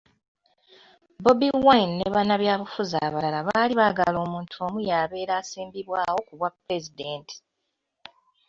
Bobi Wine ne bannabyabufuzi abalala baali baagala omuntu omu y'abeera asimbibwawo kubwa Pulezidenti.